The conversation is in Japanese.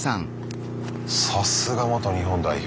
さすが元日本代表。